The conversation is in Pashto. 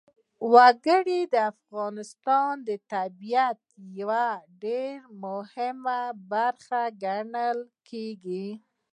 وګړي د افغانستان د طبیعت یوه ډېره مهمه برخه ګڼل کېږي.